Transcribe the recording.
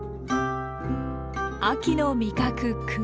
秋の味覚栗。